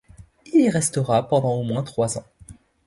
Il y restera pendant au moins trois ans.